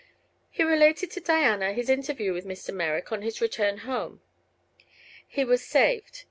He related to Diana his interview with Mr. Merrick on his return home. He was saved.